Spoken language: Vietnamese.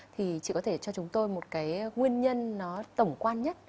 thì chị có thể cho chúng tôi một cái nguyên nhân nó tổng quan nhất